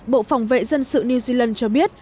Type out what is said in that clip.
bộ phòng vệ dân sự new zealand cho biết